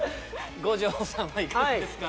五条さんはいかがですか？